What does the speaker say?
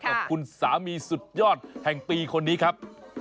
กับคุณสามีสุดยอดแห่งปีคนนี้ครับ